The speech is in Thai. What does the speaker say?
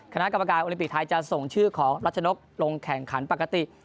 คณะกรรมการโอลิมปิกไทยจะส่งชื่อของรัชนกลงแข่งขันปกติ